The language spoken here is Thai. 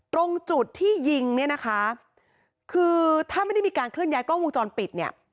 ตรงจุดที่ยิงเนี่ยนะคะคือถ้าไม่ได้มีการเคลื่อนย้ายกล้องวงจรปิดเนี่ย